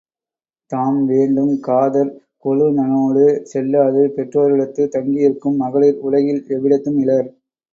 தாம் வேண்டும் காதற் கொழுநனோடு செல்லாது பெற்றோரிடத்துத் தங்கியிருக்கும் மகளிர் உலகில் எவ்விடத்தும் இலர்.